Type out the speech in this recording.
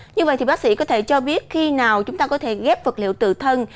như vậy thì bác sĩ có thể cho biết khi nào chúng ta có thể ghép vật liệu tự thân